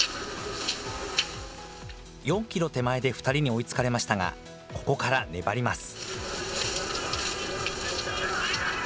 ４キロ手前で２人に追いつかれましたが、ここから粘ります。